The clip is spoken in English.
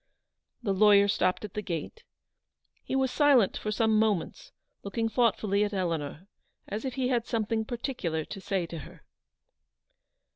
The lawyer stopped at the gate. He was silent for some moments, looking thoughtfully at Eleanor, as if he had something particular to say to her.